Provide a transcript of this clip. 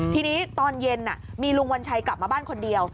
ทีนี้ตอนเย็นมีลุงวัญชัยกลับมาบ้านคนเดียว